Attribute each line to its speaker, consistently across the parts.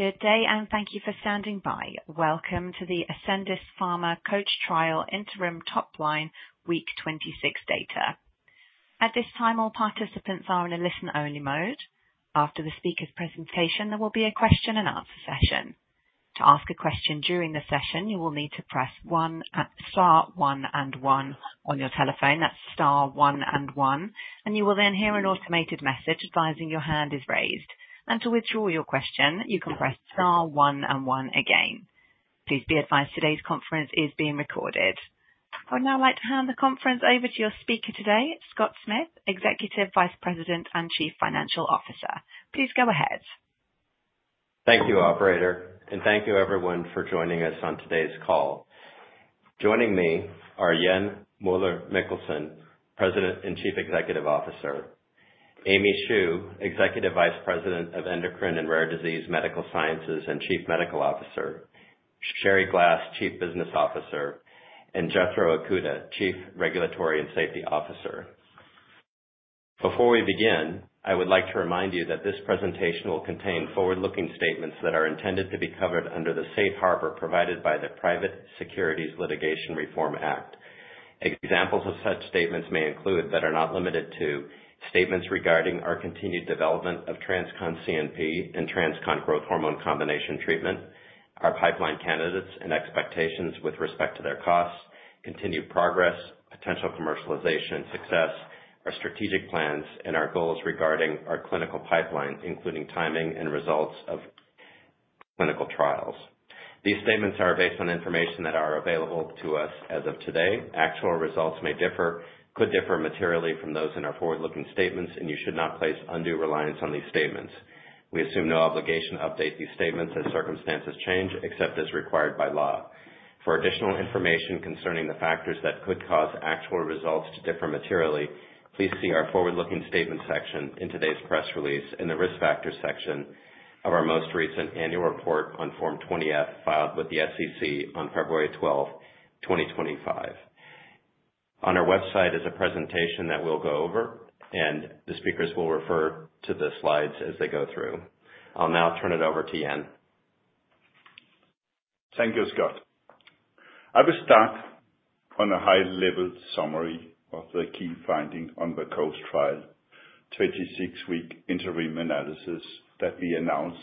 Speaker 1: Good day, and thank you for standing by. Welcome to the Ascendis Pharma COACH trial interim topline week 26 data. At this time, all participants are in a listen-only mode. After the speaker's presentation, there will be a question-and-answer session. To ask a question during the session, you will need to press Star one and one on your telephone. That is Star one and one, and you will then hear an automated message advising your hand is raised. To withdraw your question, you can press Star ome and one again. Please be advised today's conference is being recorded. I would now like to hand the conference over to your speaker today, Scott Smith, Executive Vice President and Chief Financial Officer. Please go ahead.
Speaker 2: Thank you, Operator, and thank you, everyone, for joining us on today's call. Joining me are Jan Møller Mikkelsen, President and Chief Executive Officer; Aimee Shu, Executive Vice President of Endocrine and Rare Disease Medical Sciences and Chief Medical Officer; Sherrie Glass, Chief Business Officer; and Jethro Acuda, Chief Regulatory and Safety Officer. Before we begin, I would like to remind you that this presentation will contain forward-looking statements that are intended to be covered under the safe harbor provided by the Private Securities Litigation Reform Act. Examples of such statements may include, but are not limited to, statements regarding our continued development of TransCon CNP and TransCon Growth Hormone combination treatment, our pipeline candidates and expectations with respect to their costs, continued progress, potential commercialization success, our strategic plans, and our goals regarding our clinical pipeline, including timing and results of clinical trials. These statements are based on information that are available to us as of today. Actual results may differ, could differ materially from those in our forward-looking statements, and you should not place undue reliance on these statements. We assume no obligation to update these statements as circumstances change, except as required by law. For additional information concerning the factors that could cause actual results to differ materially, please see our forward-looking statement section in today's press release and the risk factors section of our most recent annual report on Form 20-F filed with the SEC on February 12, 2025. On our website is a presentation that we'll go over, and the speakers will refer to the slides as they go through. I'll now turn it over to Jan.
Speaker 3: Thank you, Scott. I will start on a high-level summary of the key findings on the COACH trial 26-week interim analysis that we announced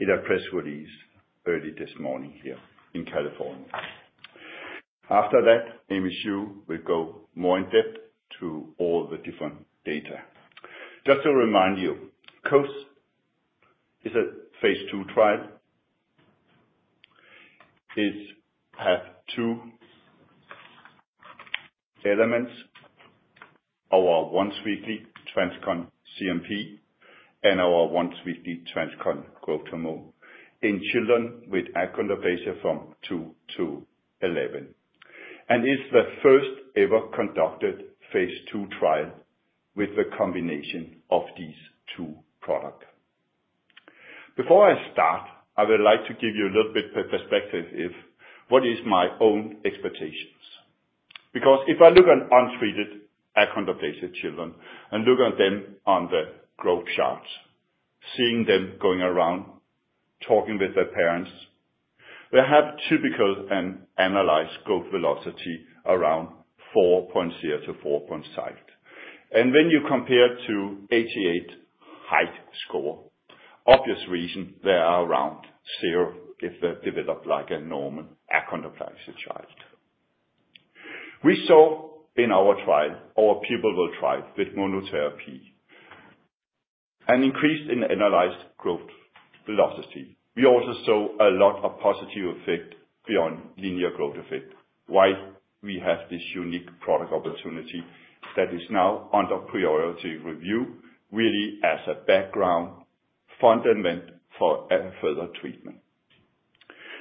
Speaker 3: in a press release early this morning here in California. After that, Aimee Shu will go more in-depth to all the different data. Just to remind you, COACH is a phase two trial. It has two elements: our once-weekly TransCon CNP and our once-weekly TransCon Growth Hormone in children with achondroplasia from 2-11. It is the first-ever conducted phase two trial with the combination of these two products. Before I start, I would like to give you a little bit of perspective of what my own expectations are. Because if I look at untreated achondroplasia children and look at them on the growth charts, seeing them going around, talking with their parents, they have typical annualized growth velocity around 4.0-4.5. When you compare to height Z-score, obvious reason they are around zero if they develop like a normal achondroplasia child. We saw in our trial, our pivotal trial with monotherapy, an increase in annualized growth velocity. We also saw a lot of positive effect beyond linear growth effect, why we have this unique product opportunity that is now under priority review, really as a background fundament for further treatment.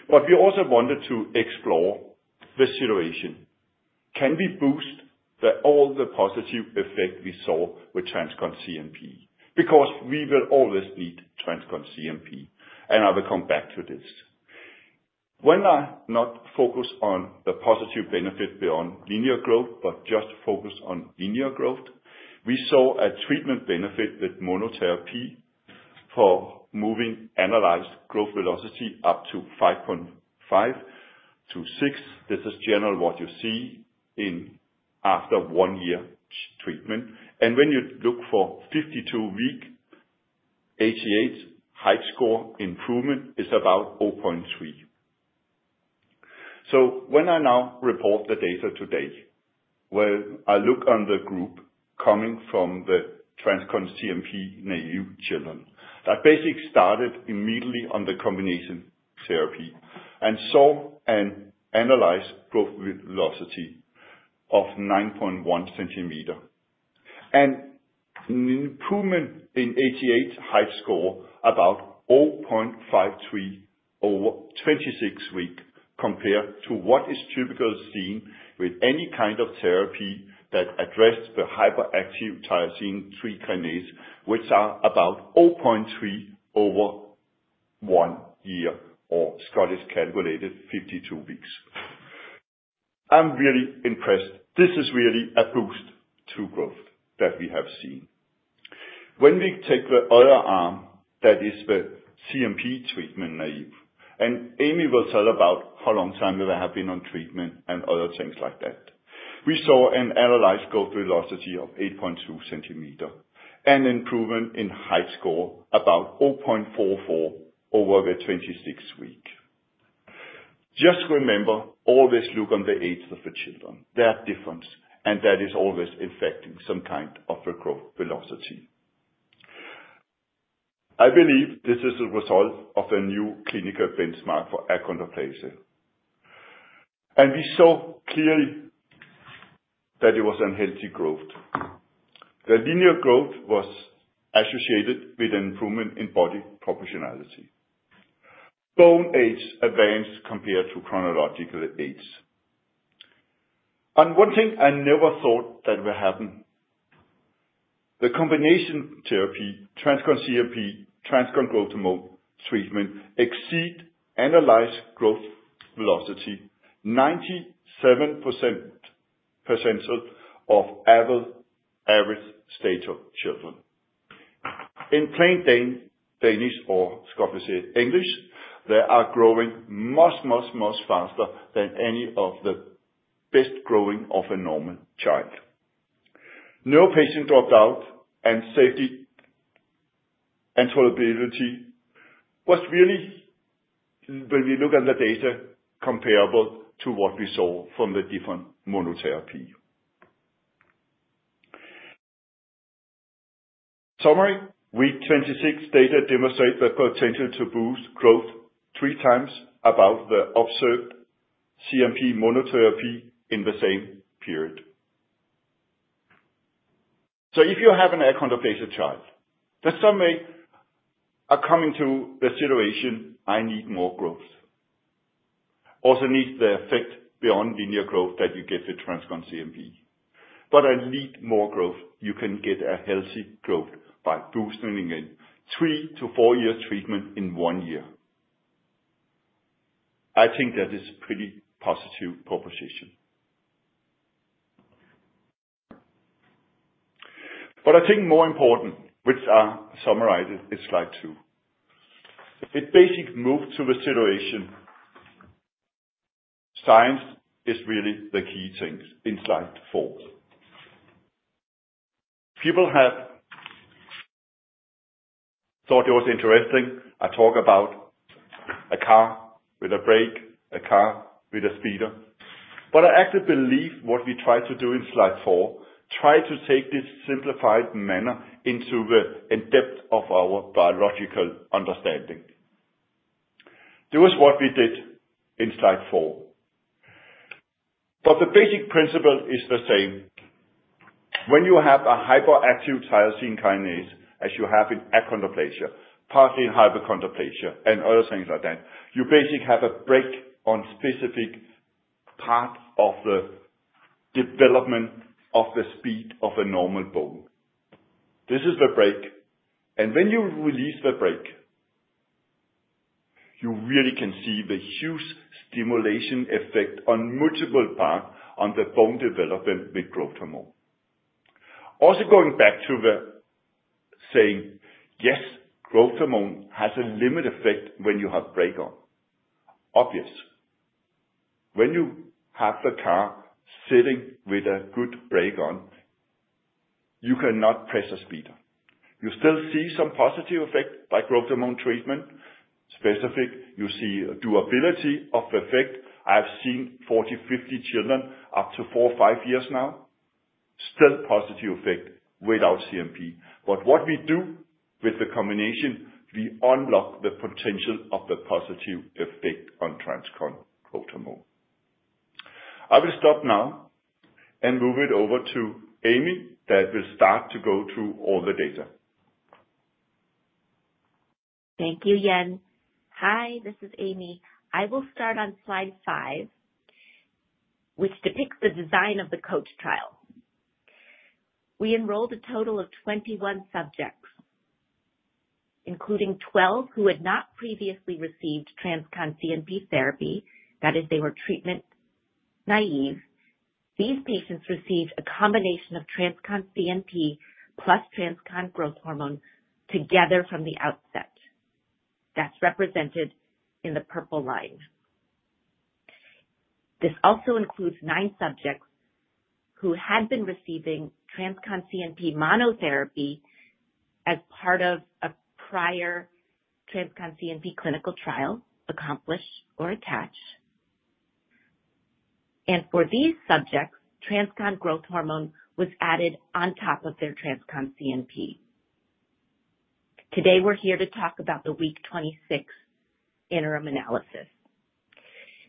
Speaker 3: We also wanted to explore the situation. Can we boost all the positive effect we saw with TransCon CNP? Because we will always need TransCon CNP, and I will come back to this. When I not focus on the positive benefit beyond linear growth, but just focus on linear growth, we saw a treatment benefit with monotherapy for moving annualized growth velocity up to 5.5-6. This is generally what you see after one year treatment. When you look for 52-week achondroplasia-specific height Z-score improvement, it's about 0.3. When I now report the data today, I look on the group coming from the TransCon CNP-naive children that basically started immediately on the combination therapy and saw an annualized growth velocity of 9.1 centimeters. An improvement in achondroplasia-specific height Z-score about 0.53 over 26 weeks compared to what is typically seen with any kind of therapy that addressed the hyperactive tyrosine kinase 3, which are about 0.3 over one year, or as calculated for 52 weeks. I'm really impressed. This is really a boost to growth that we have seen. When we take the other arm, that is the CNP treatment naive, and Aimee will tell about how long time they have been on treatment and other things like that, we saw an annualized growth velocity of 8.2 cm and improvement in height Z-score about 0.44 over the 26 weeks. Just remember, always look on the age of the children. They have difference, and that is always affecting some kind of the growth velocity. I believe this is a result of a new clinical benchmark for achondroplasia. We saw clearly that it was healthy growth. The linear growth was associated with improvement in body proportionality. Bone age advanced compared to chronological age. One thing I never thought that would happen, the combination therapy, TransCon CNP, TransCon Growth Hormone treatment exceed annualized growth velocity 97% of other average state of children. In plain Danish or Scottish English, they are growing much, much, much faster than any of the best growing of a normal child. No patient dropped out, and safety and tolerability was really, when we look at the data, comparable to what we saw from the different monotherapy. Summary, week 26 data demonstrates the potential to boost growth three times about the observed CNP monotherapy in the same period. If you have an achondroplasia child, the survey are coming to the situation, "I need more growth." Also, need the effect beyond linear growth that you get with TransCon CNP. I need more growth. You can get a healthy growth by boosting again three to four years treatment in one year. I think that is pretty positive proposition. I think more important, which are summarized in slide two, it basically moved to the situation science is really the key things in slide four. People have thought it was interesting. I talk about a car with a brake, a car with a speeder. I actually believe what we tried to do in slide four, try to take this simplified manner into the depth of our biological understanding. That was what we did in slide four. The basic principle is the same. When you have a hyperactive tyrosine kinase as you have in achondroplasia, partly in hyperactive tyrosine kinase and other things like that, you basically have a brake on specific part of the development of the speed of a normal bone. This is the brake. When you release the brake, you really can see the huge stimulation effect on multiple parts of the bone development with growth hormone. Also, going back to the saying, yes, growth hormone has a limited effect when you have the brake on. Obvious. When you have the car sitting with a good brake on, you cannot press a speeder. You still see some positive effect by growth hormone treatment. Specifically, you see a durability of effect. I've seen 40, 50 children up to four, five years now, still positive effect without CNP. But what we do with the combination, we unlock the potential of the positive effect on TransCon Growth Hormone. I will stop now and move it over to Aimee that will start to go through all the data.
Speaker 4: Thank you, Jan. Hi, this is Aimee. I will start on slide five, which depicts the design of the COACH trial. We enrolled a total of 21 subjects, including 12 who had not previously received TransCon CNP therapy. That is, they were treatment naive. These patients received a combination of TransCon CNP plus TransCon Growth Hormone together from the outset. That's represented in the purple line. This also includes nine subjects who had been receiving TransCon CNP monotherapy as part of a prior TransCon CNP clinical trial, accomplished or attached. For these subjects, TransCon Growth Hormone was added on top of their TransCon CNP. Today, we're here to talk about the week 26 interim analysis.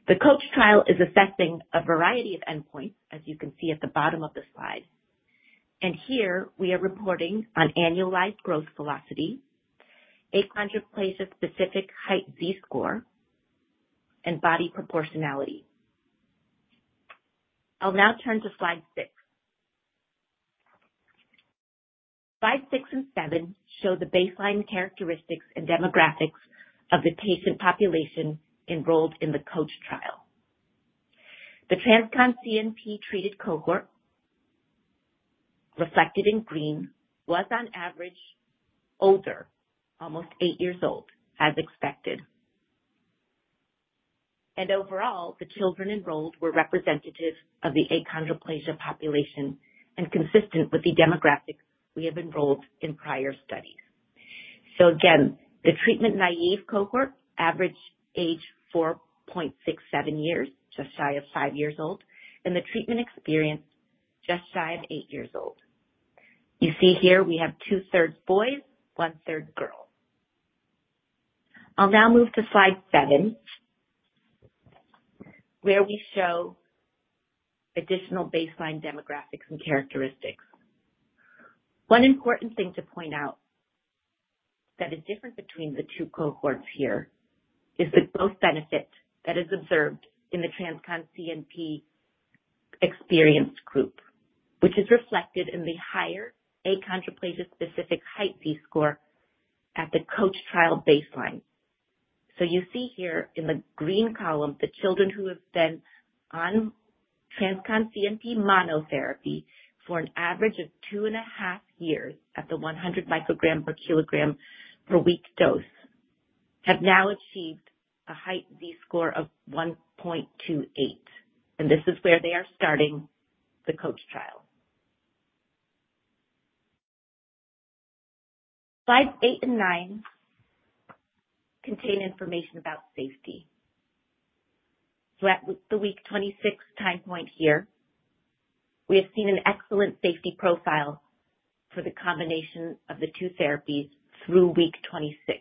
Speaker 4: The COACH trial is assessing a variety of endpoints, as you can see at the bottom of the slide. Here, we are reporting on annualized growth velocity, achondroplasia-specific height Z-score, and body proportionality. I'll now turn to slide six. Slide six and seven show the baseline characteristics and demographics of the patient population enrolled in the COACH trial. The TransCon CNP treated cohort, reflected in green, was on average older, almost eight years old, as expected. Overall, the children enrolled were representative of the achondroplasia population and consistent with the demographics we have enrolled in prior studies. Again, the treatment naive cohort averaged age 4.67 years, just shy of five years old, and the treatment experienced just shy of eight years old. You see here, we have two-thirds boys, one-third girls. I'll now move to slide seven, where we show additional baseline demographics and characteristics. One important thing to point out that is different between the two cohorts here is the growth benefit that is observed in the TransCon CNP experienced group, which is reflected in the higher achondroplasia-specific height Z-score at the COACH trial baseline. You see here in the green column, the children who have been on TransCon CNP monotherapy for an average of two and a half years at the 100 microgram per kilogram per week dose have now achieved a height Z-score of 1.28. This is where they are starting the COACH trial. Slides eight and nine contain information about safety. At the week 26 time point here, we have seen an excellent safety profile for the combination of the two therapies through week 26.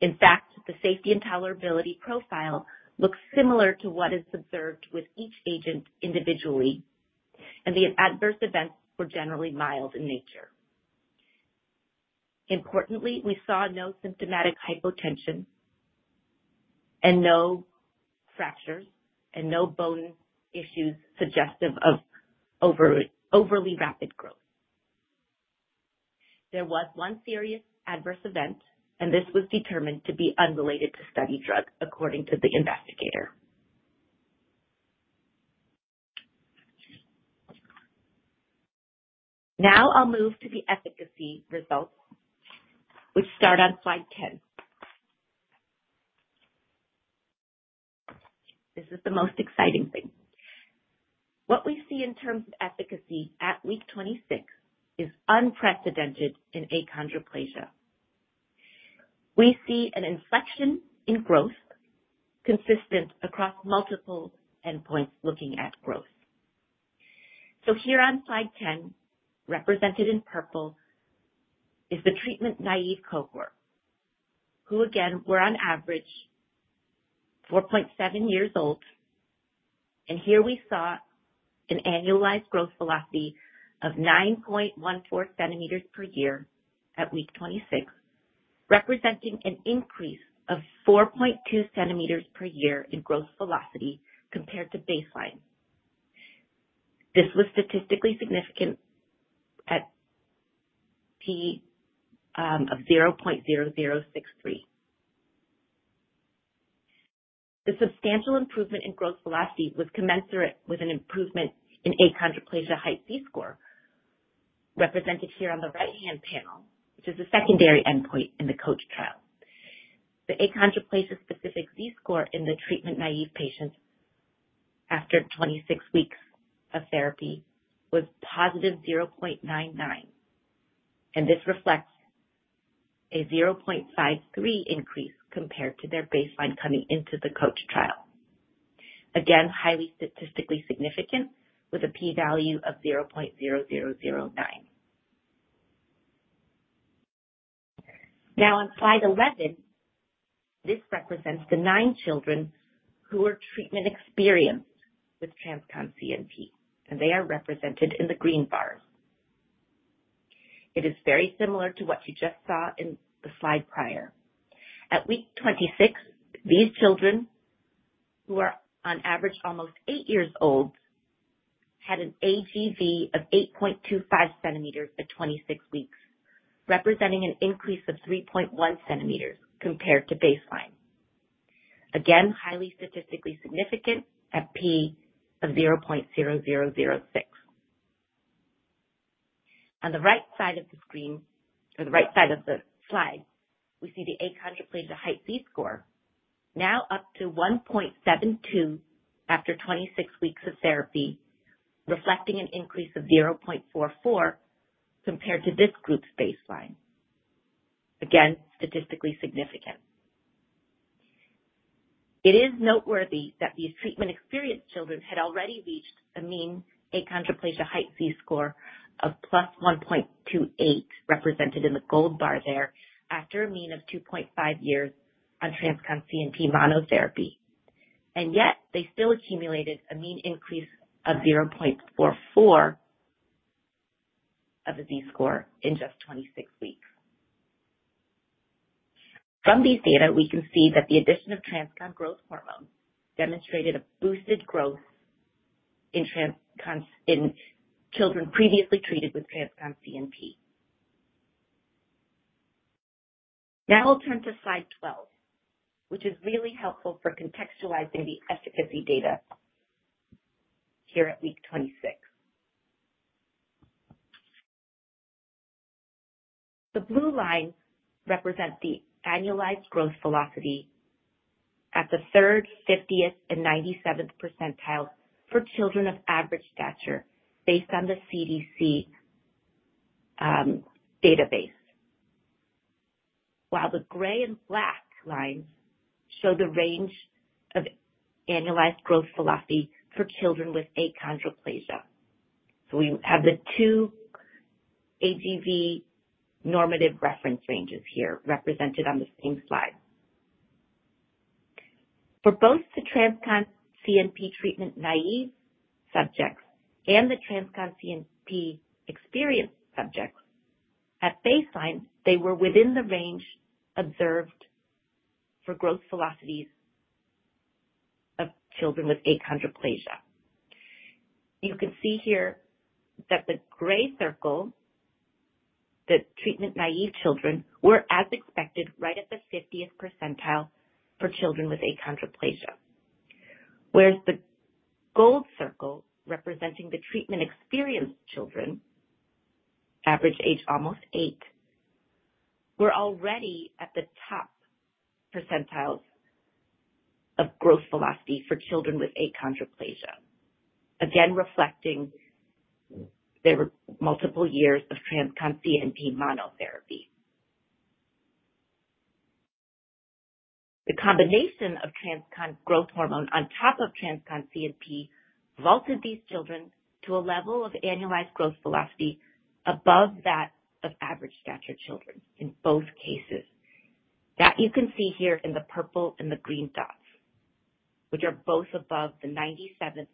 Speaker 4: In fact, the safety and tolerability profile looks similar to what is observed with each agent individually, and the adverse events were generally mild in nature. Importantly, we saw no symptomatic hypotension and no fractures and no bone issues suggestive of overly rapid growth. There was one serious adverse event, and this was determined to be unrelated to study drug according to the investigator. Now I'll move to the efficacy results, which start on slide 10. This is the most exciting thing. What we see in terms of efficacy at week 26 is unprecedented in achondroplasia. We see an inflection in growth consistent across multiple endpoints looking at growth. Here on slide 10, represented in purple, is the treatment naive cohort, who again were on average 4.7 years old. Here we saw an annualized growth velocity of 9.14 centimeters per year at week 26, representing an increase of 4.2 centimeters per year in growth velocity compared to baseline. This was statistically significant at P of 0.0063. The substantial improvement in growth velocity was commensurate with an improvement in achondroplasia height Z-score represented here on the right-hand panel, which is a secondary endpoint in the COACH trial. The achondroplasia-specific Z-score in the treatment-naive patients after 26 weeks of therapy was positive 0.99. This reflects a 0.53 increase compared to their baseline coming into the COACH trial. Again, highly statistically significant with a P value of 0.0009. Now on slide 11, this represents the nine children who were treatment-experienced with TransCon CNP, and they are represented in the green bars. It is very similar to what you just saw in the slide prior. At week 26, these children who are on average almost eight years old had an AGV of 8.25 cm at 26 weeks, representing an increase of 3.1 cm compared to baseline. Again, highly statistically significant at P of 0.0006. On the right side of the screen or the right side of the slide, we see the achondroplasia height Z-score now up to 1.72 after 26 weeks of therapy, reflecting an increase of 0.44 compared to this group's baseline. Again, statistically significant. It is noteworthy that these treatment-experienced children had already reached a mean achondroplasia height Z-score of plus 1.28, represented in the gold bar there after a mean of 2.5 years on TransCon CNP monotherapy. Yet, they still accumulated a mean increase of 0.44 of a Z-score in just 26 weeks. From these data, we can see that the addition of TransCon Growth Hormone demonstrated a boosted growth in children previously treated with TransCon CNP. Now I'll turn to slide 12, which is really helpful for contextualizing the efficacy data here at week 26. The blue lines represent the annualized growth velocity at the third, 50th, and 97th percentiles for children of average stature based on the CDC database. While the gray and black lines show the range of annualized growth velocity for children with achondroplasia. We have the two AGV normative reference ranges here represented on the same slide. For both the TransCon CNP treatment naive subjects and the TransCon CNP experienced subjects, at baseline, they were within the range observed for growth velocities of children with achondroplasia. You can see here that the gray circle, the treatment naive children, were as expected right at the 50th percentile for children with achondroplasia. Whereas the gold circle, representing the treatment experienced children, average age almost eight, were already at the top percentiles of growth velocity for children with achondroplasia, again reflecting their multiple years of TransCon CNP monotherapy. The combination of TransCon Growth Hormone on top of TransCon CNP vaulted these children to a level of annualized growth velocity above that of average stature children in both cases. That you can see here in the purple and the green dots, which are both above the 97th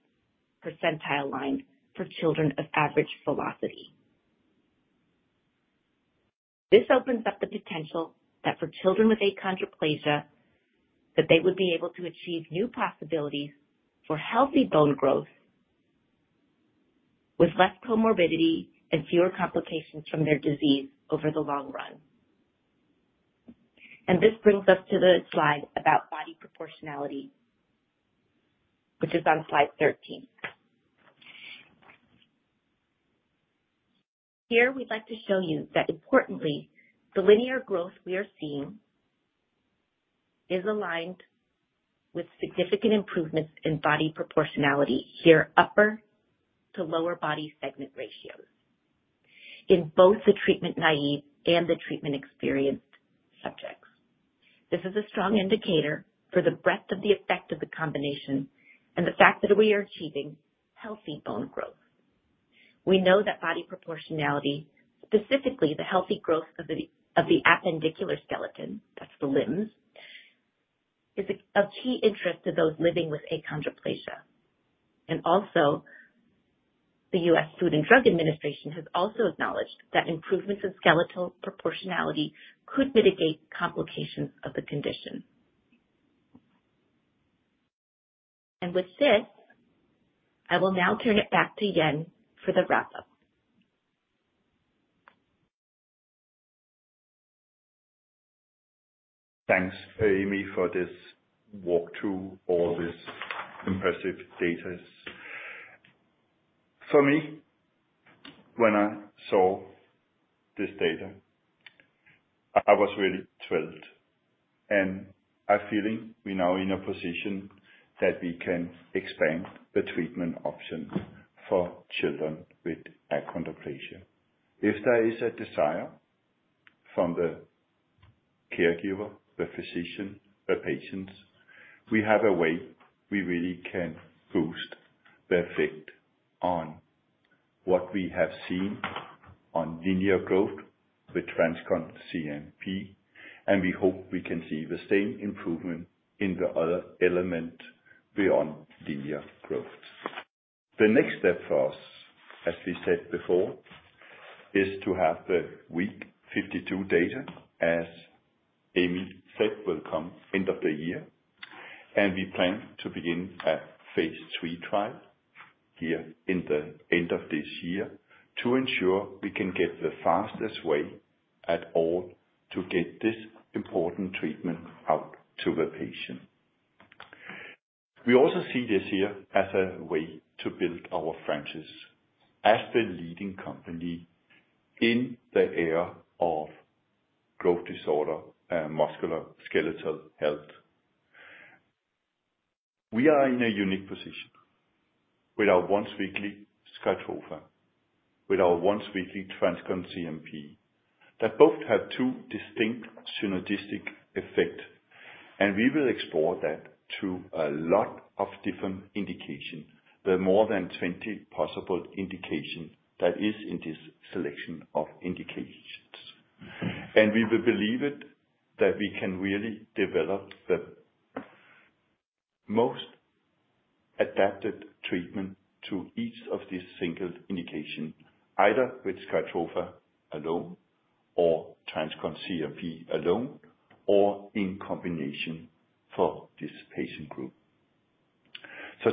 Speaker 4: percentile line for children of average velocity. This opens up the potential that for children with achondroplasia, that they would be able to achieve new possibilities for healthy bone growth with less comorbidity and fewer complications from their disease over the long run. This brings us to the slide about body proportionality, which is on slide 13. Here we would like to show you that importantly, the linear growth we are seeing is aligned with significant improvements in body proportionality here, upper to lower body segment ratios in both the treatment naive and the treatment experienced subjects. This is a strong indicator for the breadth of the effect of the combination and the fact that we are achieving healthy bone growth. We know that body proportionality, specifically the healthy growth of the appendicular skeleton, that is the limbs, is of key interest to those living with achondroplasia. The U.S. Food and Drug Administration has also acknowledged that improvements in skeletal proportionality could mitigate complications of the condition. With this, I will now turn it back to Jan for the wrap-up.
Speaker 3: Thanks, Aimee, for this walkthrough or this impressive data. For me, when I saw this data, I was really thrilled. I feel we're now in a position that we can expand the treatment options for children with achondroplasia. If there is a desire from the caregiver, the physician, the patients, we have a way we really can boost the effect on what we have seen on linear growth with TransCon CNP. We hope we can see the same improvement in the other elements beyond linear growth. The next step for us, as we said before, is to have the week 52 data, as Aimee said, will come end of the year. We plan to begin a phase 3 trial here in the end of this year to ensure we can get the fastest way at all to get this important treatment out to the patient. We also see this year as a way to build our franchise as the leading company in the area of growth disorder, musculoskeletal health. We are in a unique position with our once-weekly Skytrofa, with our once-weekly TransCon CNP that both have two distinct synergistic effects. We will explore that to a lot of different indications, the more than 20 possible indications that are in this selection of indications. We believe that we can really develop the most adapted treatment to each of these single indications, either with Skytrofa alone or TransCon CNP alone or in combination for this patient group.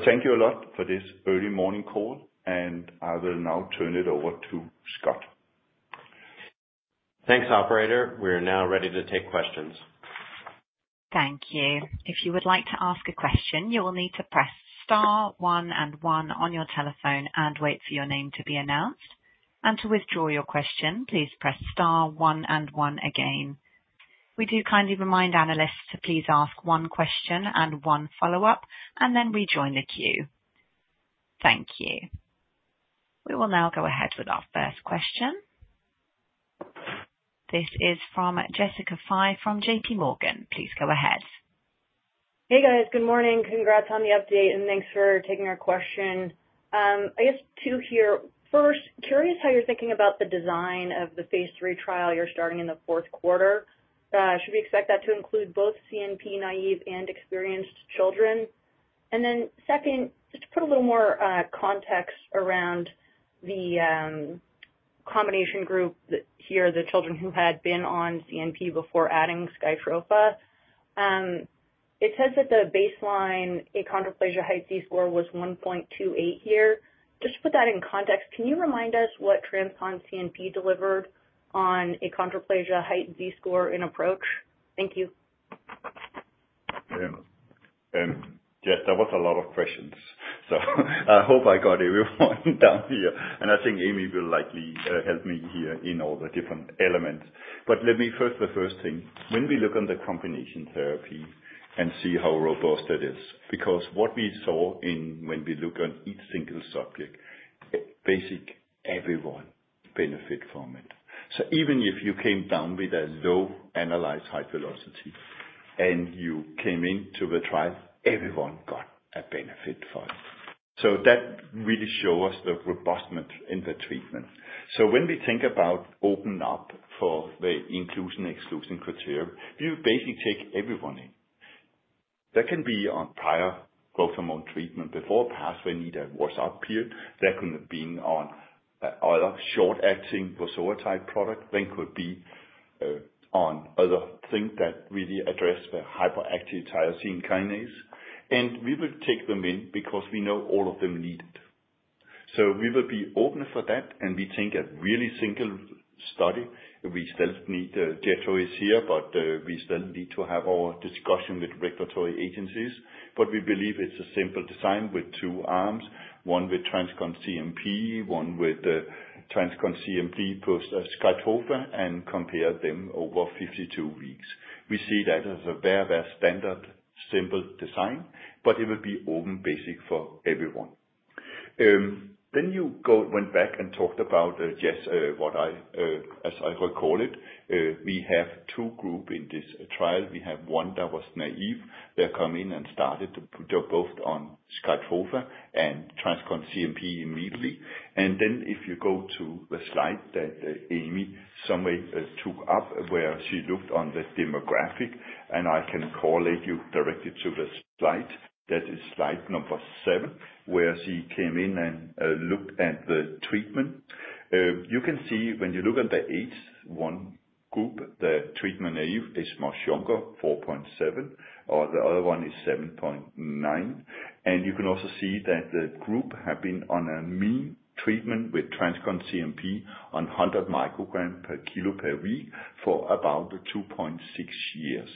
Speaker 3: Thank you a lot for this early morning call. I will now turn it over to Scott.
Speaker 2: Thanks, operator. We're now ready to take questions.
Speaker 1: Thank you. If you would like to ask a question, you will need to press star one and one on your telephone and wait for your name to be announced. To withdraw your question, please press star one and one again. We do kindly remind analysts to please ask one question and one follow-up and then rejoin the queue. Thank you. We will now go ahead with our first question. This is from Jessica Fye from J.P. Morgan. Please go ahead.
Speaker 5: Hey, guys. Good morning. Congrats on the update, and thanks for taking our question. I guess two here. First, curious how you're thinking about the design of the phase 3 trial you're starting in the fourth quarter. Should we expect that to include both CNP naive and experienced children? Second, just to put a little more context around the combination group here, the children who had been on CNP before adding Skytrofa. It says that the baseline achondroplasia height Z-score was 1.28 here. Just to put that in context, can you remind us what TransCon CNP delivered on achondroplasia height Z-score in APPROACH? Thank you.
Speaker 3: Yeah. Jess, that was a lot of questions. I hope I got everyone down here. I think Aimee will likely help me here in all the different elements. Let me first, the first thing, when we look on the combination therapy and see how robust it is, because what we saw when we looked on each single subject, basically everyone benefited from it. Even if you came down with a low annualized height velocity and you came into the trial, everyone got a benefit from it. That really shows us the robustness in the treatment. When we think about opening up for the inclusion-exclusion criteria, we would basically take everyone in. That can be on prior growth hormone treatment before or past when we need a washout period. That could have been on other short-acting vosoritide product. That could be on other things that really address the hyperactive tyrosine kinase. We would take them in because we know all of them need it. We will be open for that. We think a really single study, we still need the JTOIs here, but we still need to have our discussion with regulatory agencies. We believe it's a simple design with two arms, one with TransCon CNP, one with TransCon CNP plus Skytrofa, and compare them over 52 weeks. We see that as a very, very standard, simple design. It will be open basic for everyone. You went back and talked about, Jess, what I, as I recall it, we have two groups in this trial. We have one that was naive. They come in and started to put both on Skytrofa and TransCon CNP immediately. If you go to the slide that Aimee somewhere took up where she looked on the demographic, and I can correlate you directly to the slide. That is slide number seven, where she came in and looked at the treatment. You can see when you look at the age one group, the treatment naive is much younger, 4.7, or the other one is 7.9. You can also see that the group have been on a mean treatment with TransCon CNP on 100 micrograms per kilo per week for about 2.6 years.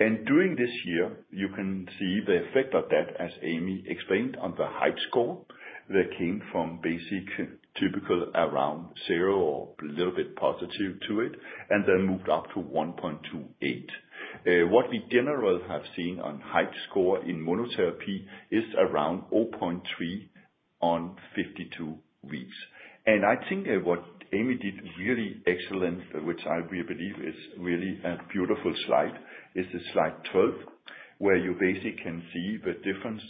Speaker 3: During this year, you can see the effect of that, as Aimee explained, on the height score. That came from basically typical around zero or a little bit positive to it, and then moved up to 1.28. What we generally have seen on height score in monotherapy is around 0.3 on 52 weeks. I think what Aimee did really excellent, which I really believe is really a beautiful slide, is the slide 12, where you basically can see the difference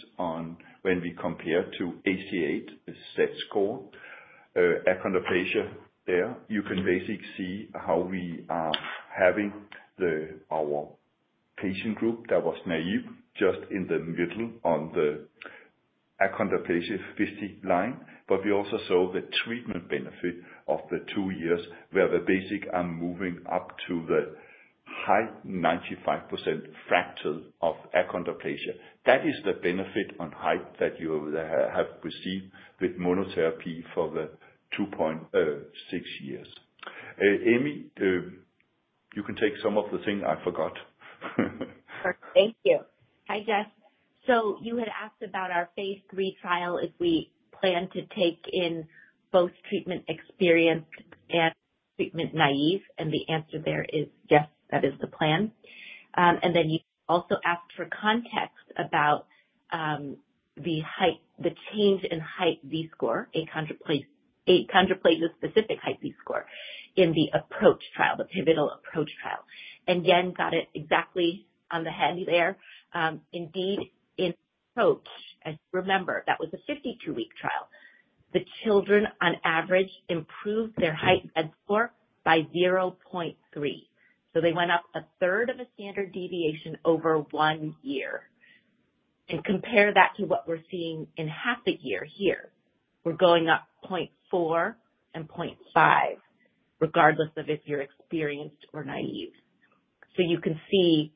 Speaker 3: when we compare to ACH, the Z-score, achondroplasia there. You can basically see how we are having our patient group that was naive just in the middle on the achondroplasia 50 line. We also saw the treatment benefit of the two years where the basic, I am moving up to the high 95% fractal of achondroplasia. That is the benefit on height that you have received with monotherapy for the 2.6 years. Aimee, you can take some of the things I forgot.
Speaker 4: Thank you. Hi, Jess. You had asked about our phase 3 trial if we plan to take in both treatment experienced and treatment naive. The answer there is yes, that is the plan. You also asked for context about the change in height Z-score, achondroplasia specific height Z-score in the APPROACH trial, the pivotal APPROACH trial. Jan got it exactly on the head there. Indeed, in APPROACH, as you remember, that was a 52-week trial. The children on average improved their height Z-score by 0.3. They went up a third of a standard deviation over one year. Compare that to what we are seeing in half a year here. We are going up 0.4 and 0.5, regardless of if you are experienced or naive. You can see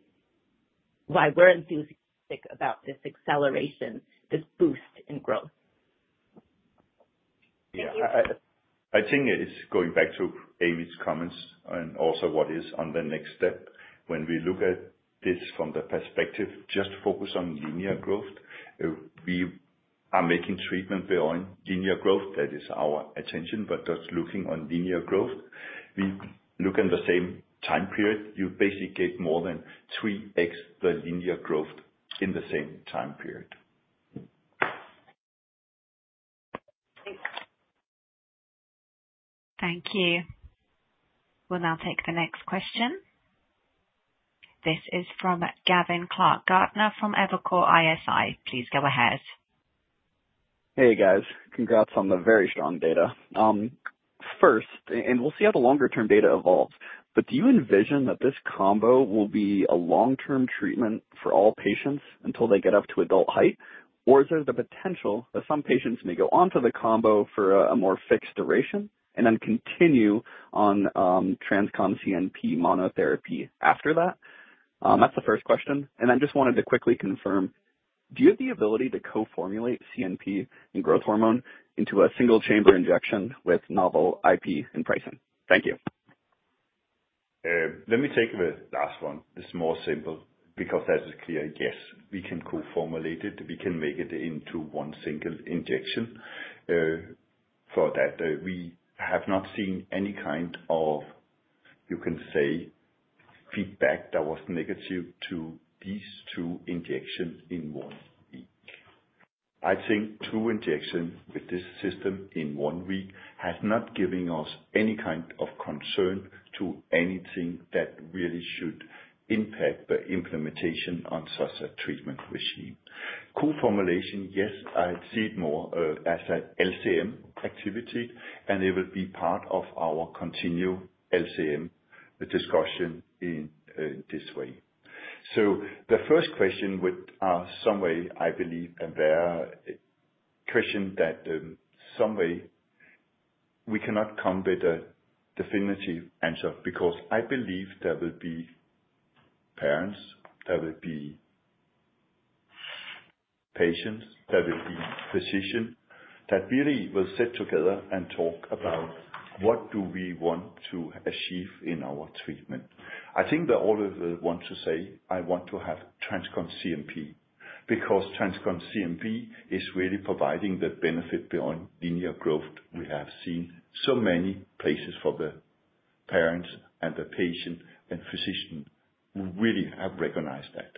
Speaker 4: why we are enthusiastic about this acceleration, this boost in growth.
Speaker 3: Yeah. I think it's going back to Aimee's comments and also what is on the next step. When we look at this from the perspective, just focus on linear growth. We are making treatment beyond linear growth. That is our attention, but just looking on linear growth, we look at the same time period, you basically get more than 3x the linear growth in the same time period.
Speaker 1: Thank you. We'll now take the next question. This is from Gavin Clark-Gartner from Evercore ISI. Please go ahead.
Speaker 6: Hey, guys. Congrats on the very strong data. First, and we'll see how the longer-term data evolves, but do you envision that this combo will be a long-term treatment for all patients until they get up to adult height? Or is there the potential that some patients may go on to the combo for a more fixed duration and then continue on TransCon CNP monotherapy after that? That's the first question. I just wanted to quickly confirm, do you have the ability to co-formulate CNP and growth hormone into a single chamber injection with novel IP and pricing? Thank you.
Speaker 3: Let me take the last one, the small sample, because that is clear. Yes, we can co-formulate it. We can make it into one single injection. For that, we have not seen any kind of, you can say, feedback that was negative to these two injections in one week. I think two injections with this system in one week has not given us any kind of concern to anything that really should impact the implementation on such a treatment regime. Co-formulation, yes, I see it more as an LCM activity, and it will be part of our continual LCM discussion in this way. The first question in some way, I believe, and the question that in some way we cannot come with a definitive answer because I believe there will be parents, there will be patients, there will be physicians that really will sit together and talk about what do we want to achieve in our treatment. I think that all of us want to say, "I want to have TransCon CNP because TransCon CNP is really providing the benefit beyond linear growth we have seen so many places for the parents and the patient and physician." We really have recognized that.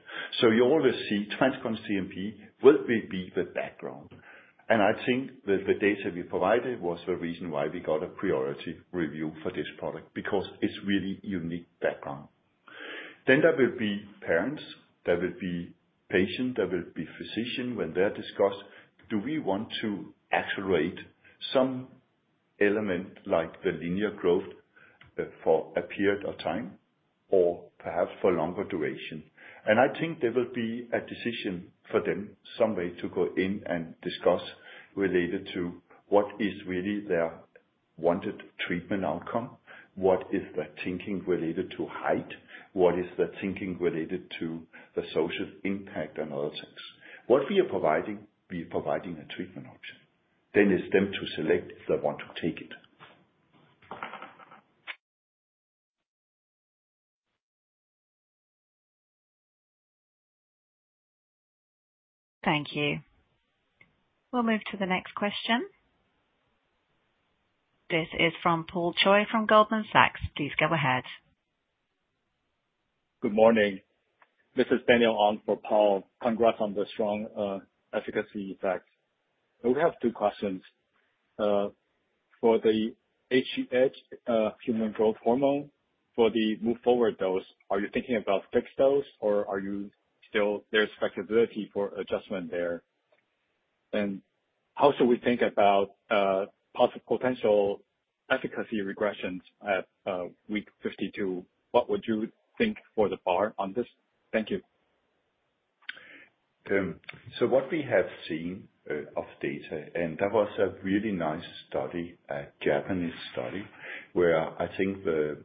Speaker 3: You always see TransCon CNP will be the background. I think that the data we provided was the reason why we got a priority review for this product because it is really unique background. There will be parents, there will be patients, there will be physicians when they are discussed. Do we want to accelerate some element like the linear growth for a period of time or perhaps for longer duration? I think there will be a decision for them some way to go in and discuss related to what is really their wanted treatment outcome, what is the thinking related to height, what is the thinking related to the social impact analytics. What we are providing, we are providing a treatment option. Then it's them to select if they want to take it.
Speaker 1: Thank you. We'll move to the next question. This is from Paul Choi from Goldman Sachs. Please go ahead.
Speaker 7: Good morning. This is Daniel Ang for Paul. Congrats on the strong efficacy effect. We have two questions. For the HGH, human growth hormone, for the move forward dose, are you thinking about fixed dose or are you still there's flexibility for adjustment there? How should we think about potential efficacy regressions at week 52? What would you think for the bar on this? Thank you.
Speaker 3: What we have seen of data, and that was a really nice study, a Japanese study, where I think the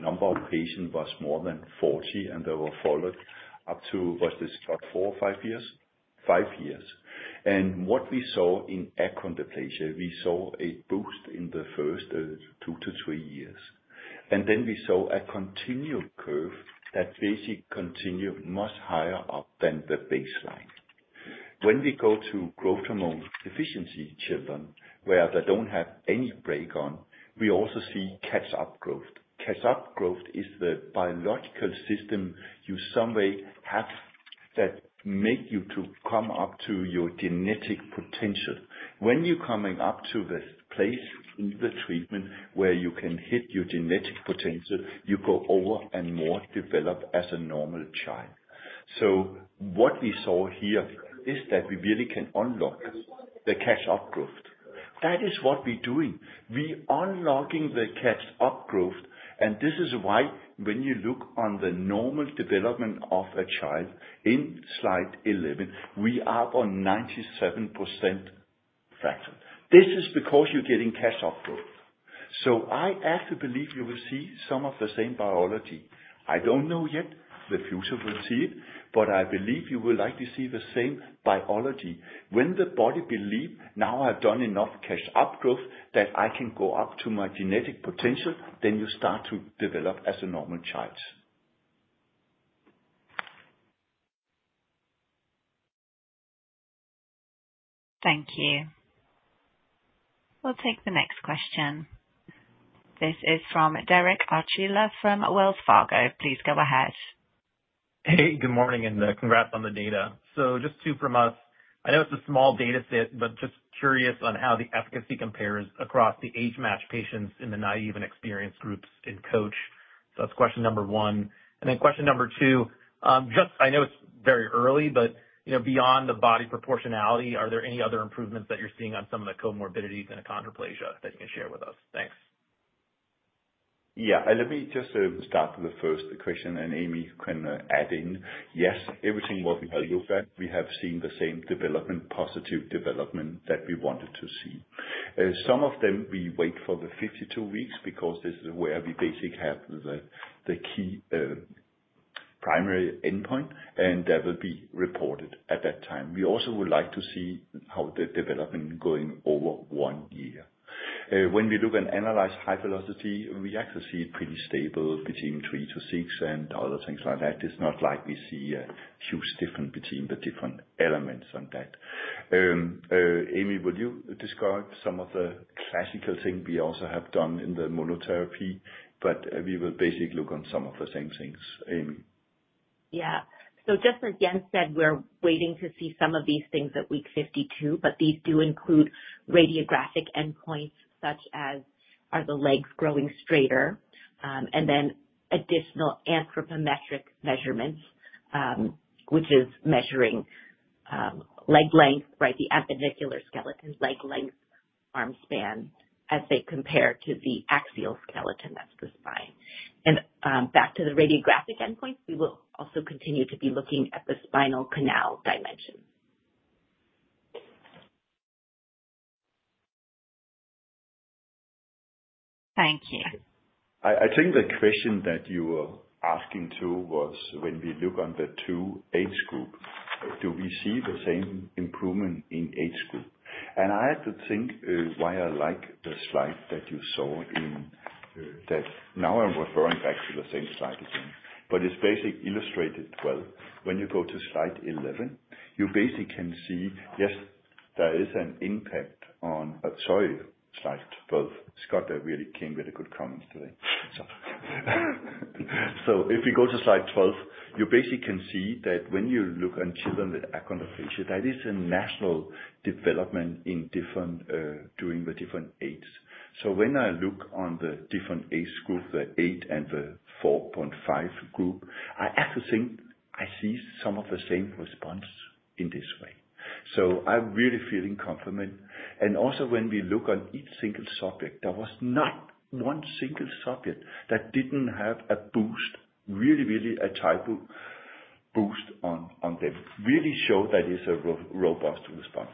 Speaker 3: number of patients was more than 40 and they were followed up to, was this about four or five years? Five years. What we saw in achondroplasia, we saw a boost in the first two to three years. Then we saw a continued curve that basically continued much higher up than the baseline. When we go to growth hormone deficiency children where they do not have any break on, we also see catch-up growth. Catch-up growth is the biological system you some way have that makes you come up to your genetic potential. When you are coming up to the place in the treatment where you can hit your genetic potential, you go over and more develop as a normal child. What we saw here is that we really can unlock the catch-up growth. That is what we're doing. We are unlocking the catch-up growth, and this is why when you look on the normal development of a child in slide 11, we are on 97% fractal. This is because you're getting catch-up growth. I actually believe you will see some of the same biology. I do not know yet. The future will see it, but I believe you will likely see the same biology when the body believes, "Now I have done enough catch-up growth that I can go up to my genetic potential," then you start to develop as a normal child.
Speaker 1: Thank you. We'll take the next question. This is from Derek Archila from Wells Fargo. Please go ahead.
Speaker 8: Hey, good morning, and congrats on the data. Just two from us. I know it's a small data set, but just curious on how the efficacy compares across the age-matched patients in the naive and experienced groups in COACH. That's question number one. Question number two, I know it's very early, but beyond the body proportionality, are there any other improvements that you're seeing on some of the comorbidities in achondroplasia that you can share with us? Thanks.
Speaker 3: Yeah. Let me just start with the first question, and Aimee can add in. Yes, everything what we have looked at, we have seen the same development, positive development that we wanted to see. Some of them, we wait for the 52 weeks because this is where we basically have the key primary endpoint, and that will be reported at that time. We also would like to see how the development going over one year. When we look and analyze high velocity, we actually see it pretty stable between three to six and other things like that. It's not like we see a huge difference between the different elements on that. Aimee, will you describe some of the classical things we also have done in the monotherapy, but we will basically look on some of the same things, Aimee?
Speaker 4: Yeah. Just as Jan said, we're waiting to see some of these things at week 52, but these do include radiographic endpoints such as are the legs growing straighter, and then additional anthropometric measurements, which is measuring leg length, right, the appendicular skeleton, leg length, arm span, as they compare to the axial skeleton, that's the spine. Back to the radiographic endpoints, we will also continue to be looking at the spinal canal dimension. Thank you.
Speaker 3: I think the question that you were asking too was when we look on the two age groups, do we see the same improvement in age group? I had to think why I like the slide that you saw in that now I'm referring back to the same slide again, but it's basically illustrated well. When you go to slide 11, you basically can see, yes, there is an impact on, sorry, slide 12. Scott really came with a good comment today. If you go to slide 12, you basically can see that when you look on children with achondroplasia, that is a natural development during the different ages. When I look on the different age group, the 8 and the 4.5 group, I actually think I see some of the same response in this way. I'm really feeling confident. When we look on each single subject, there was not one single subject that did not have a boost, really, really a triple boost on them, really show that it is a robust response.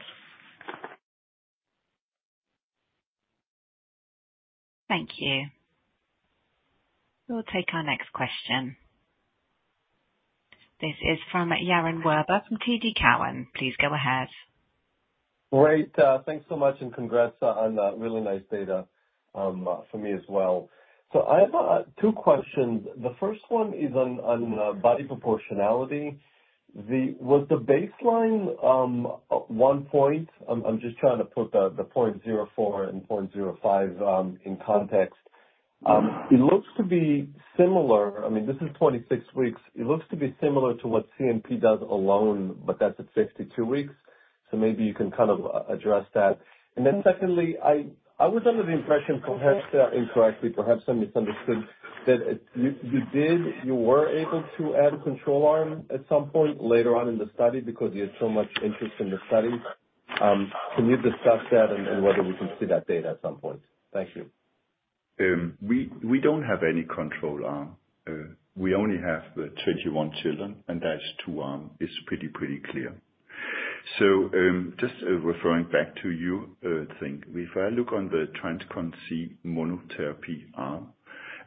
Speaker 1: Thank you. We'll take our next question. This is from Yaron Werber from TD Cowen. Please go ahead.
Speaker 9: Great. Thanks so much and congrats on really nice data for me as well. I have two questions. The first one is on body proportionality. Was the baseline one point? I'm just trying to put the 0.04 and 0.05 in context. It looks to be similar. I mean, this is 26 weeks. It looks to be similar to what CNP does alone, but that's at 52 weeks. Maybe you can kind of address that. Secondly, I was under the impression, perhaps incorrectly, perhaps I misunderstood, that you were able to add a control arm at some point later on in the study because you had so much interest in the study. Can you discuss that and whether we can see that data at some point? Thank you.
Speaker 3: We don't have any control arm. We only have the 21 children, and that two arm is pretty, pretty clear. Just referring back to you, I think if I look on the TransCon CNP monotherapy arm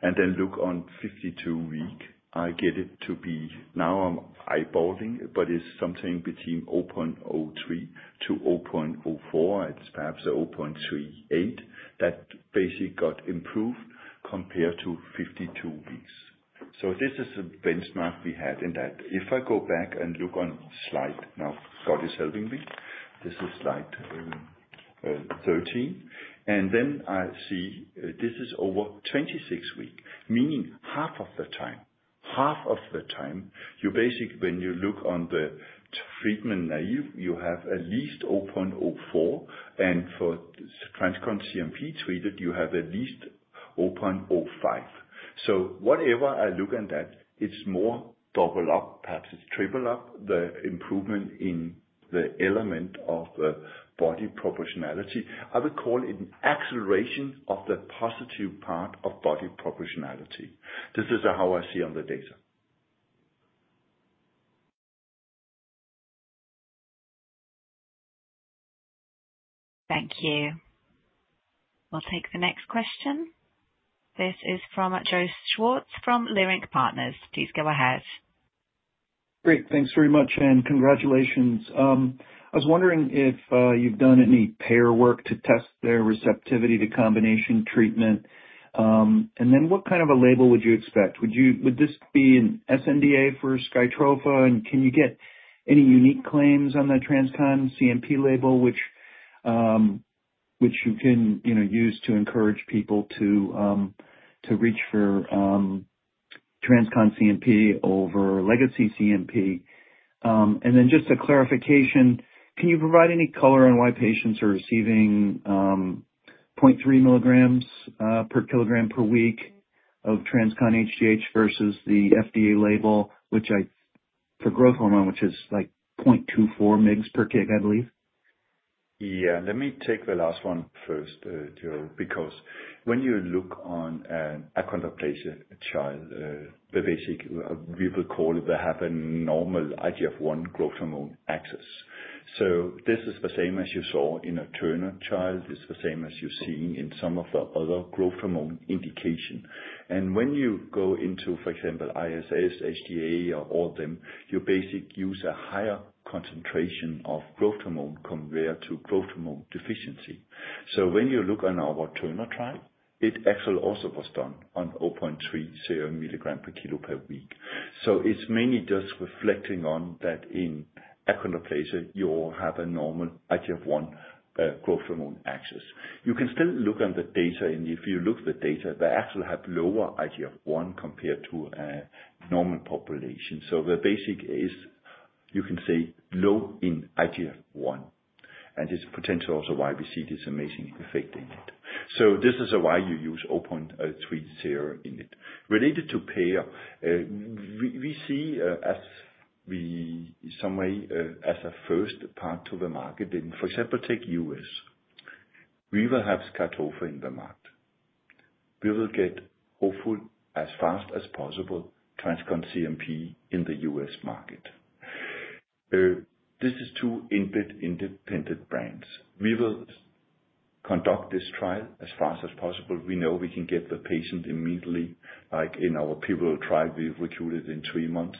Speaker 3: and then look on 52 week, I get it to be, now I'm eyeballing, but it's something between 0.03-0.04. It's perhaps 0.38 that basically got improved compared to 52 weeks. This is a benchmark we had in that if I go back and look on slide, now Scott is helping me. This is slide 13. I see this is over 26 weeks, meaning half of the time, half of the time, you basically, when you look on the treatment naive, you have at least 0.04, and for TransCon CNP treated, you have at least 0.05. Whatever I look at that, it's more double up, perhaps it's triple up the improvement in the element of body proportionality. I would call it an acceleration of the positive part of body proportionality. This is how I see on the data.
Speaker 1: Thank you. We'll take the next question. This is from Joe Schwartz from Leerink Partners. Please go ahead.
Speaker 10: Great. Thanks very much, and congratulations. I was wondering if you've done any payer work to test their receptivity to combination treatment, and then what kind of a label would you expect? Would this be an sNDA for Skytrofa, and can you get any unique claims on the TransCon CNP label, which you can use to encourage people to reach for TransCon CNP over legacy CNP? Also, just a clarification, can you provide any color on why patients are receiving 0.3 mg per kg per week of TransCon Growth Hormone versus the FDA label, which for growth hormone, which is like 0.24 mg per kg, I believe?
Speaker 3: Yeah. Let me take the last one first, Joe, because when you look on an achondroplasia child, we basically we will call it they have a normal IGF-1 growth hormone axis. This is the same as you saw in a Turner child. It's the same as you've seen in some of the other growth hormone indication. When you go into, for example, ISS, HGA, or all of them, you basically use a higher concentration of growth hormone compared to growth hormone deficiency. When you look on our Turner trial, it actually also was done on 0.30 milligram per kilo per week. It's mainly just reflecting on that in achondroplasia, you all have a normal IGF-1 growth hormone axis. You can still look on the data, and if you look at the data, they actually have lower IGF-1 compared to a normal population. The basic is you can say low in IGF-1, and it's potential also why we see this amazing effect in it. This is why you use 0.30 in it. Related to pair, we see as we in some way as a first part to the market, and for example, take U.S. We will have Scott over in the market. We will get hopefully as fast as possible TransCon CNP in the U.S. market. This is two independent brands. We will conduct this trial as fast as possible. We know we can get the patient immediately. Like in our pivotal trial, we recruited in three months,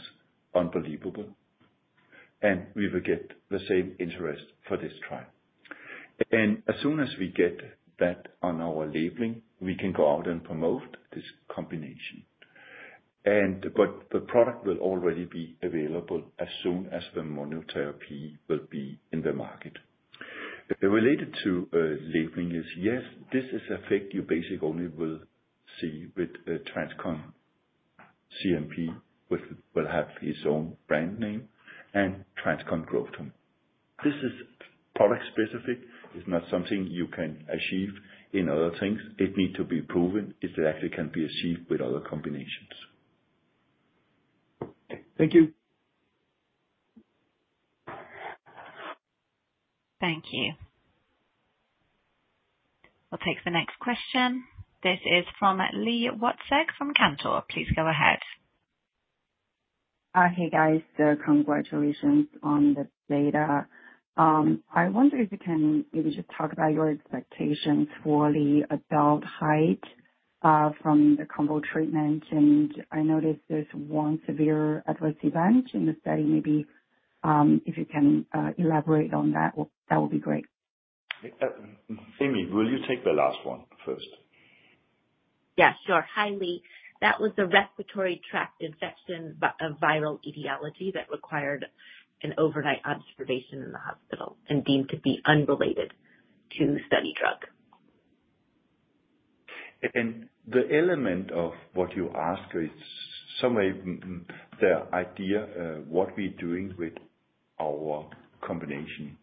Speaker 3: unbelievable. We will get the same interest for this trial. As soon as we get that on our labeling, we can go out and promote this combination. The product will already be available as soon as the monotherapy will be in the market. Related to labeling is, yes, this is effect. You basically only will see with TransCon CNP, which will have its own brand name, and TransCon Growth Hormone. This is product specific. It is not something you can achieve in other things. It needs to be proven if it actually can be achieved with other combinations.
Speaker 10: Thank you.
Speaker 1: Thank you. We'll take the next question. This is from Li Watsek from Cantor. Please go ahead.
Speaker 11: Hey, guys. Congratulations on the data. I wonder if you can maybe just talk about your expectations for the adult height from the combo treatment, and I noticed there's one severe adverse event in the study. Maybe if you can elaborate on that, that would be great?
Speaker 3: Aimee, will you take the last one first?
Speaker 4: Yeah, sure. Hi, Li. That was a respiratory tract infection, a viral etiology that required an overnight observation in the hospital and deemed to be unrelated to study drug.
Speaker 3: The element of what you ask is some way the idea what we're doing with our combination.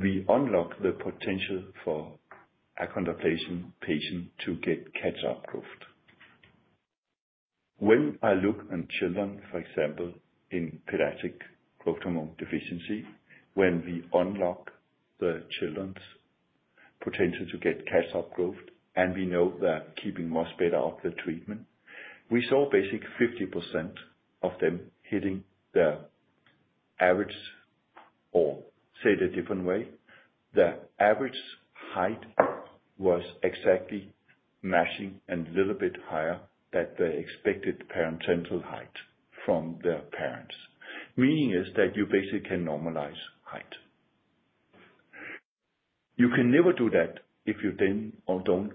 Speaker 3: We unlock the potential for achondroplasia patient to get catch-up growth. When I look on children, for example, in pediatric growth hormone deficiency, when we unlock the children's potential to get catch-up growth, and we know they're keeping much better off the treatment, we saw basically 50% of them hitting their average, or say it a different way, their average height was exactly matching and a little bit higher than the expected parental height from their parents. Meaning is that you basically can normalize height. You can never do that if you then don't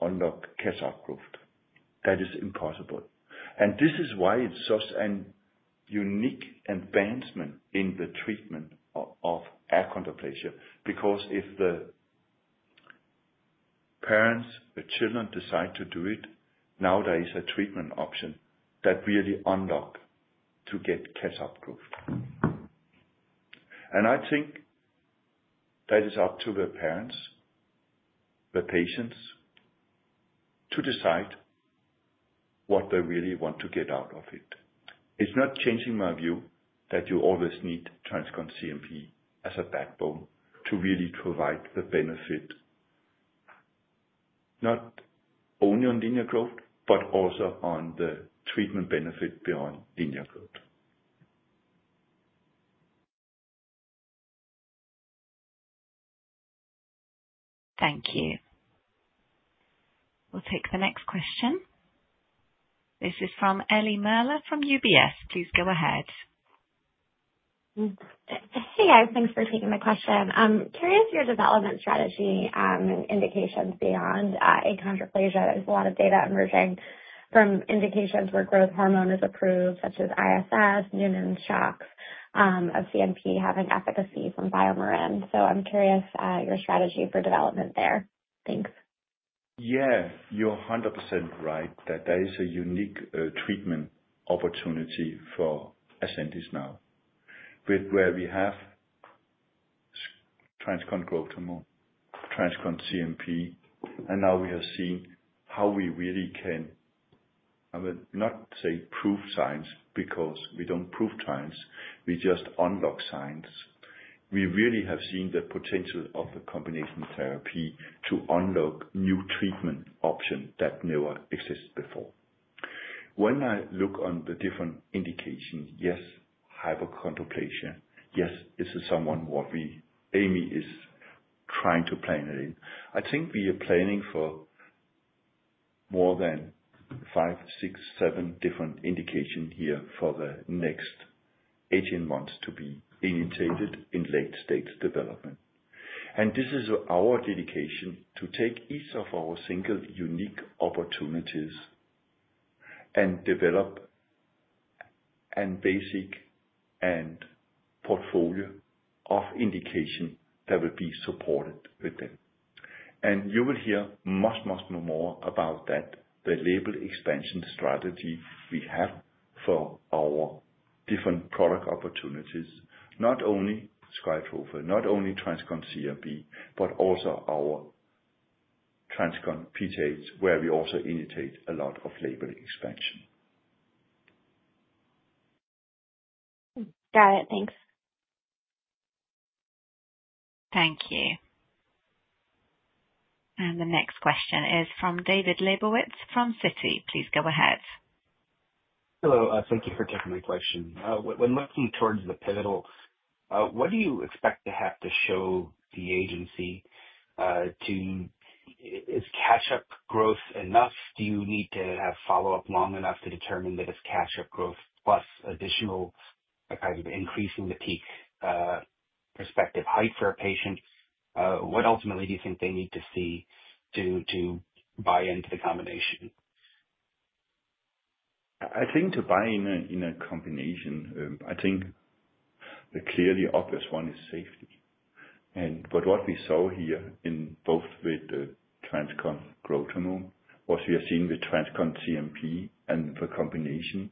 Speaker 3: unlock catch-up growth. That is impossible. It is such a unique advancement in the treatment of achondroplasia, because if the parents or children decide to do it, now there is a treatment option that really unlocks to get catch-up growth. I think that is up to the parents, the patients, to decide what they really want to get out of it. It is not changing my view that you always need TransCon CNP as a backbone to really provide the benefit not only on linear growth, but also on the treatment benefit beyond linear growth.
Speaker 1: Thank you. We'll take the next question. This is from Ellie Merle from UBS. Please go ahead.
Speaker 12: Hey, guys. Thanks for taking the question. I'm curious your development strategy and indications beyond achondroplasia. There's a lot of data emerging from indications where growth hormone is approved, such as ISS, new mentions of CNP having efficacy from BioMarin. So I'm curious your strategy for development there. Thanks.
Speaker 3: Yeah. You're 100% right that there is a unique treatment opportunity for SNDs now, with where we have TransCon Growth Hormone, TransCon CNP, and now we are seeing how we really can, I would not say prove science because we don't prove science. We just unlock science. We really have seen the potential of the combination therapy to unlock new treatment options that never existed before. When I look on the different indications, yes, hypochondroplasia, yes, this is somewhat what Aimee is trying to plan it in. I think we are planning for more than five, six, seven different indications here for the next 18 months to be initiated in late-stage development. And this is our dedication to take each of our single unique opportunities and develop a basic portfolio of indications that will be supported with them. You will hear much, much more about that, the label expansion strategy we have for our different product opportunities, not only Skytrofa, not only TransCon CNP, but also our TransCon PTH, where we also initiate a lot of label expansion.
Speaker 12: Got it. Thanks.
Speaker 1: Thank you. The next question is from David Lebowitz from Citi. Please go ahead.
Speaker 13: Hello. Thank you for taking my question. When looking towards the pivotal, what do you expect to have to show the agency? Is catch-up growth enough? Do you need to have follow-up long enough to determine that it's catch-up growth plus additional kind of increasing the peak prospective height for a patient? What ultimately do you think they need to see to buy into the combination?
Speaker 3: I think to buy in a combination, I think the clearly obvious one is safety. What we saw here in both with the TransCon Growth Hormone was we have seen with TransCon CNP and the combination,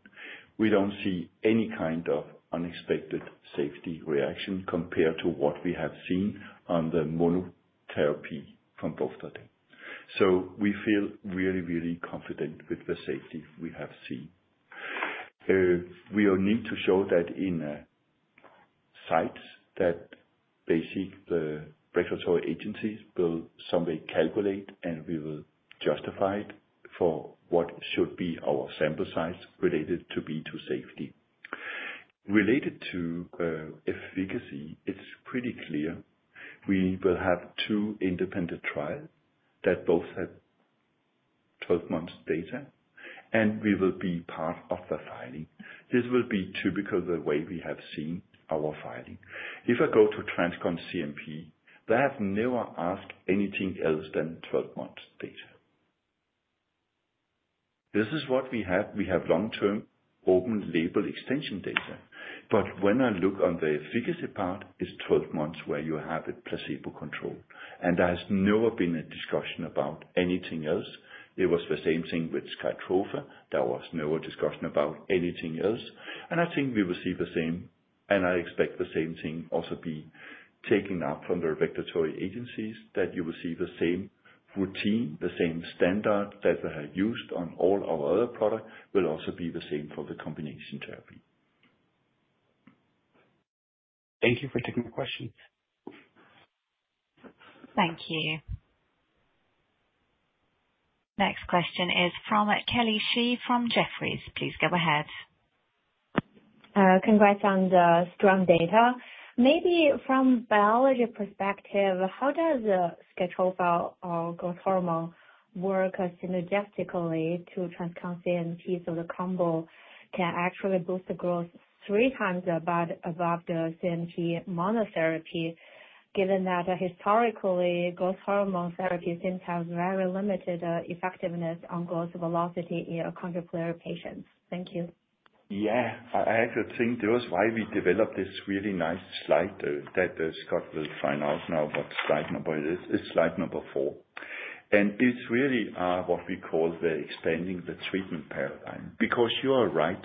Speaker 3: we do not see any kind of unexpected safety reaction compared to what we have seen on the monotherapy from both of them. We feel really, really confident with the safety we have seen. We will need to show that in sites that basically the regulatory agencies will someway calculate, and we will justify it for what should be our sample size related to safety. Related to efficacy, it is pretty clear. We will have two independent trials that both have 12 months' data, and we will be part of the filing. This will be typical the way we have seen our filing. If I go to TransCon CNP, they have never asked anything else than 12 months' data. This is what we have. We have long-term open label extension data. When I look on the efficacy part, it's 12 months where you have a placebo control. There has never been a discussion about anything else. It was the same thing with Skytrofa. There was no discussion about anything else. I think we will see the same, and I expect the same thing also be taken up from the regulatory agencies that you will see the same routine, the same standard that they have used on all our other products will also be the same for the combination therapy.
Speaker 13: Thank you for taking my question.
Speaker 1: Thank you. Next question is from Kelly Shi from Jefferies. Please go ahead.
Speaker 14: Congrats on the strong data. Maybe from a biology perspective, how does Skytrofa, our growth hormone, work synergetically to TransCon CNP so the combo can actually boost the growth three times above the CNP monotherapy, given that historically growth hormone therapy seems to have very limited effectiveness on growth velocity in achondroplasia patients? Thank you.
Speaker 3: Yeah. I actually think that was why we developed this really nice slide that Scott will find out now what slide number it is. It's slide number four. And it's really what we call the expanding the treatment paradigm. Because you are right,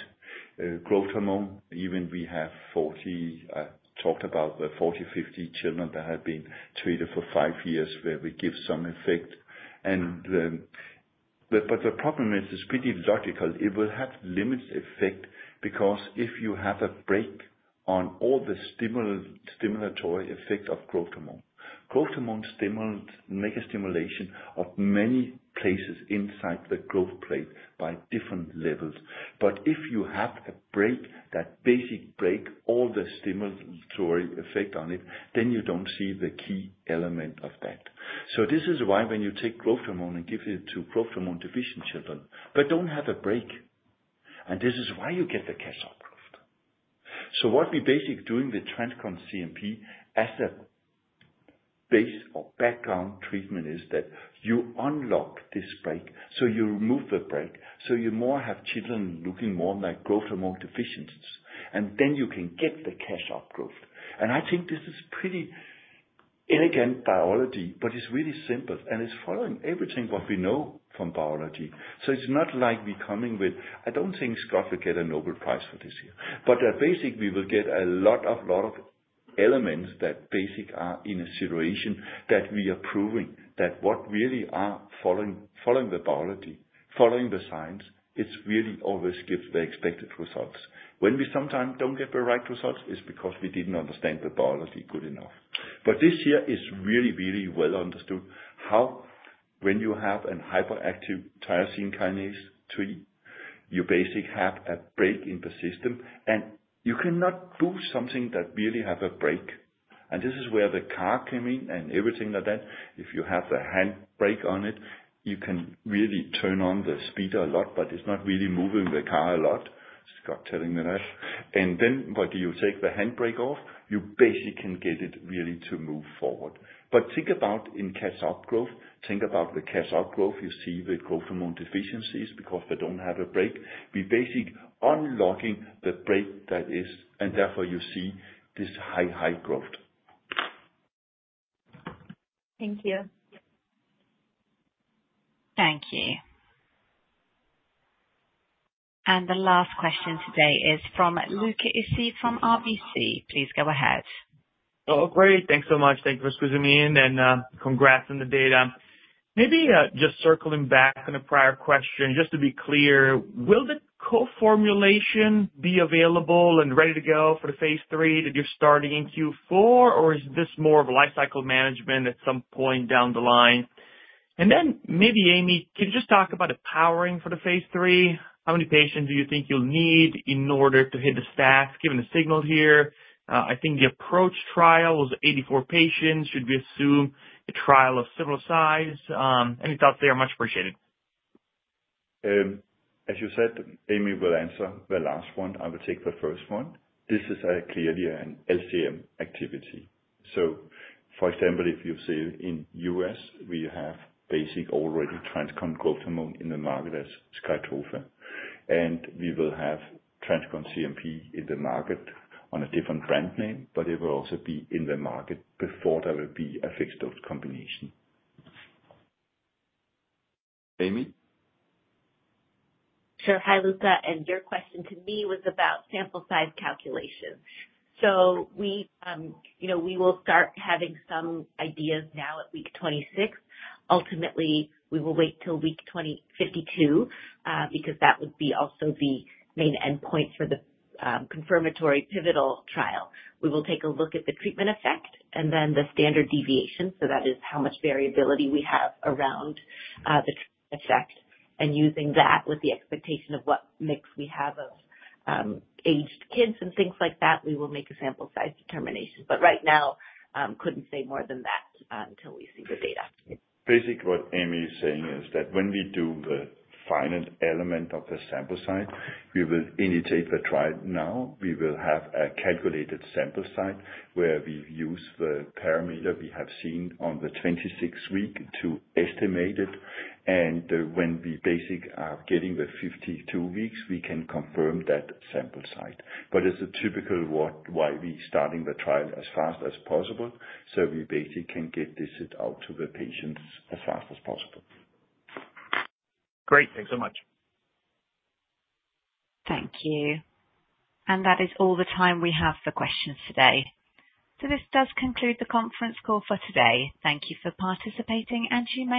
Speaker 3: growth hormone, even we have 40, I talked about the 40, 50 children that have been treated for five years where we give some effect. The problem is it's pretty logical. It will have limited effect because if you have a break on all the stimulatory effect of growth hormone, growth hormone makes a stimulation of many places inside the growth plate by different levels. If you have a break, that basic break, all the stimulatory effect on it, then you don't see the key element of that. This is why when you take growth hormone and give it to growth hormone deficient children, but do not have a break. This is why you get the catch-up growth. What we basically are doing with TransCon CNP as a base or background treatment is that you unlock this break. You remove the break. You more have children looking more like growth hormone deficients. Then you can get the catch-up growth. I think this is pretty elegant biology, but it is really simple. It is following everything we know from biology. It is not like we are coming with I do not think Scott will get a Nobel Prize for this year. Basically, we will get a lot of elements that are in a situation that we are proving that what really are following the biology, following the science, it really always gives the expected results. When we sometimes do not get the right results, it is because we did not understand the biology well enough. This year is really, really well understood how when you have a hyperactive tyrosine kinase, you basically have a break in the system, and you cannot boost something that really has a break. This is where the car came in and everything like that. If you have the hand brake on it, you can really turn on the speed a lot, but it is not really moving the car a lot. Scott telling me that. What do you take the hand brake off, you basically can get it really to move forward. Think about in catch-up growth, think about the catch-up growth you see with growth hormone deficiencies because they do not have a brake. We are basically unlocking the brake that is, and therefore you see this high, high growth.
Speaker 14: Thank you.
Speaker 1: Thank you. The last question today is from Luca Issi from RBC. Please go ahead.
Speaker 15: Oh, great. Thanks so much. Thank you for squeezing me in and congrats on the data. Maybe just circling back on a prior question, just to be clear, will the co-formulation be available and ready to go for the phase three that you're starting in Q4, or is this more of a lifecycle management at some point down the line? And then maybe Aimee, could you just talk about the powering for the phase three? How many patients do you think you'll need in order to hit the stack given the signal here? I think the APPROACH trial was 84 patients. Should we assume a trial of similar size? Any thoughts there? Much appreciated.
Speaker 3: As you said, Aimee will answer the last one. I will take the first one. This is clearly an LCM activity. For example, if you see in the U.S., we have basically already TransCon Growth Hormone in the market as Skytrofa. We will have TransCon CNP in the market on a different brand name, but it will also be in the market before there will be a fixed dose combination. Aimee?
Speaker 4: Sure. Hi, Luca. And your question to me was about sample size calculation. We will start having some ideas now at week 26. Ultimately, we will wait till week 52 because that would also be the main endpoint for the confirmatory pivotal trial. We will take a look at the treatment effect and then the standard deviation. That is how much variability we have around the effect. Using that with the expectation of what mix we have of aged kids and things like that, we will make a sample size determination. Right now, could not say more than that until we see the data.
Speaker 3: Basically what Aimee is saying is that when we do the final element of the sample size, we will initiate the trial now. We will have a calculated sample size where we've used the parameter we have seen on the 26-week to estimate it. When we basically are getting the 52 weeks, we can confirm that sample size. It's a typical why we're starting the trial as fast as possible so we basically can get this out to the patients as fast as possible.
Speaker 15: Great. Thanks so much.
Speaker 1: Thank you. That is all the time we have for questions today. This does conclude the conference call for today. Thank you for participating and to your.